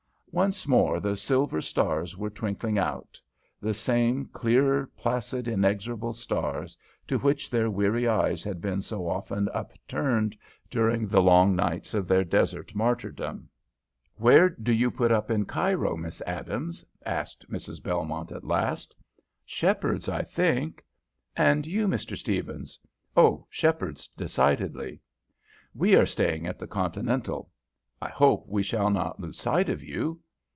Once more the silver stars were twinkling out, the same clear, placid, inexorable stars to which their weary eyes had been so often upturned during the long nights of their desert martyrdom. "Where do you put up in Cairo, Miss Adams?" asked Mrs. Belmont, at last. "Shepheard's, I think." "And you, Mr. Stephens?" "Oh, Shepheard's, decidedly." "We are staying at the Continental. I hope we shall not lose sight of you."